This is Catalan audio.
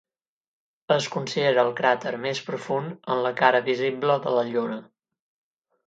Es considera el cràter més profund en la cara visible de la Lluna.